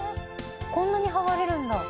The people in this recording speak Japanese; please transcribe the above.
こんなに剥がれるんだ。